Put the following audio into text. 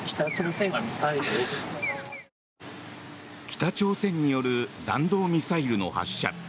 北朝鮮による弾道ミサイルの発射。